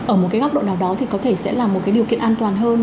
ở một góc độ nào đó thì có thể sẽ là một điều kiện an toàn hơn